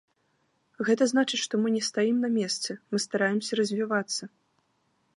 Гэта значыць, што мы не стаім на месцы, мы стараемся развівацца.